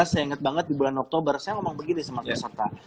saya ingat banget di bulan oktober saya ngomong begini sama peserta